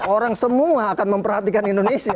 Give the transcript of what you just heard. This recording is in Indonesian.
orang semua akan memperhatikan indonesia